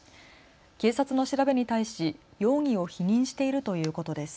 警察の調べに対し容疑を否認しているということです。